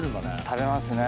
食べますね